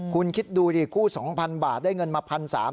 คุณคิดดูดิกู้๒๐๐๐บาทได้เงินมา๑๓๐๐บาท